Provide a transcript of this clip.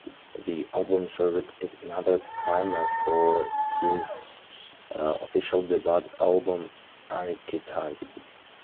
This album served as another primer for his official debut album, Archetype.